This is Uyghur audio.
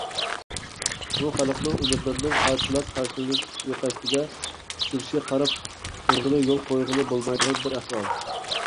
بۇ خەلقنىڭ ئۈمىدلىرىنىڭ پاچاقلاپ تاشلىنىش سۇيىقەستىگە ئۇچرىشى قاراپ تۇرغىلى، يول قويغىلى بولمايدىغان بىر ئەھۋال.